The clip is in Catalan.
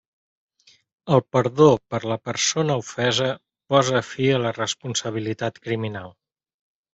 El perdó per la persona ofesa posa fi a la responsabilitat criminal.